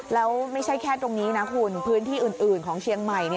แล้วไม่ใช่แค่ตรงนี้นะคุณพื้นที่อื่นของเชียงใหม่